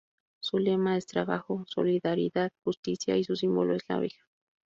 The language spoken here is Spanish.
Su lema es "Trabajo, solidaridad, justicia", y su símbolo es la abeja.